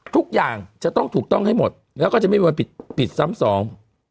ทุกอย่างจะต้องถูกต้องให้หมดแล้วก็จะไม่มีวันผิดผิดซ้ำสอง